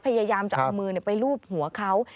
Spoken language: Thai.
พยายามจะเอามือไปลูบหัวเขา